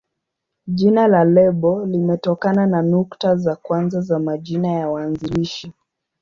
Jina la lebo limetokana na nukta za kwanza za majina ya waanzilishi.